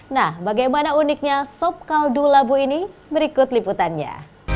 nah bagaimana uniknya sop kaldu labu ini berikut liputannya